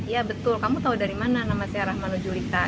ya betul kamu tahu dari mana nama saya rahmano julita